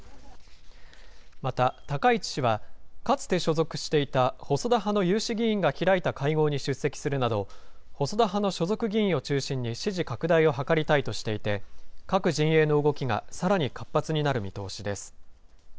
また高市氏は、かつて所属していた細田派の有志議員が開いた会合に出席するなど、細田派の所属議員を中心に支持拡大を図りたいとしていて、各陣営の動きがさらに活発になる見通しです。